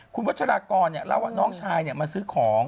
คุณวัชรากรเนี่ยเล่าว่าน้องชายเนี่ยมาซื้อของ